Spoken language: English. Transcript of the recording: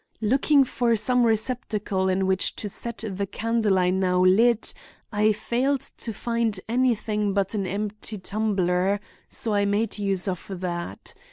Looking for some receptacle in which to set the candle I now lit, I failed to find anything but an empty tumbler, so I made use of that.